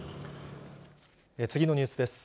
次のニュースです。